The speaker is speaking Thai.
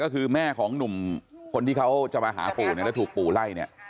ก็คือแม่ของหนุ่มคนที่เขาจะมาหาปู่เนี่ยแล้วถูกปู่ไล่เนี่ย